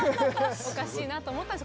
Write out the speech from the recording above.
おかしいなと思ったんです。